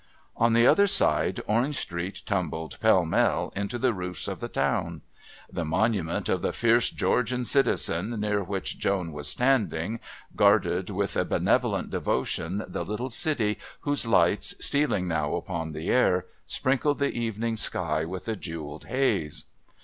On the other side Orange Street tumbled pell mell into the roofs of the town. The monument of the fierce Georgian citizen near which Joan was standing guarded with a benevolent devotion the little city whose lights, stealing now upon the air, sprinkled the evening sky with a jewelled haze.